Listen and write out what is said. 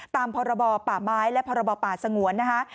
ตามคปปมและคปปสงวนนะฮะ